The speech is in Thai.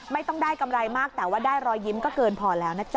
ไม่ต้องได้กำไรมากแต่ว่าได้รอยยิ้มก็เกินพอแล้วนะจ๊